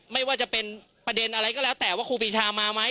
ไม่ว่าจะเป็นประเด็นอะไรก็แล้วแต่ว่าครูปีชามาไหม